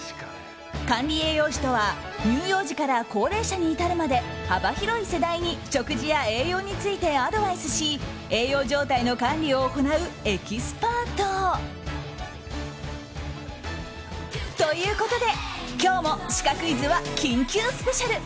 管理栄養士とは乳幼児から高齢者に至るまで幅広い世代に食事や栄養についてアドバイスし栄養状態の管理を行うエキスパート。ということで、今日もシカクイズは緊急スペシャル！